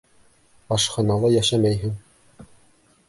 Ашханала йәшәмәйһең!